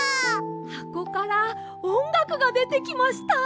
はこからおんがくがでてきました！